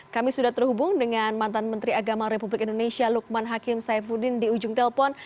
kami sudah terhubung dengan mantan menteri agama republik indonesia lukman hakim saifuddin di ujung telepon